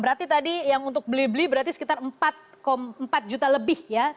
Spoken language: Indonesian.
berarti tadi yang untuk beli beli berarti sekitar empat juta lebih ya